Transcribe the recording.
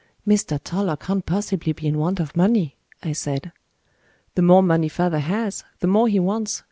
"Mr. Toller can't possibly be in want of money," I said. "The more money father has, the more he wants.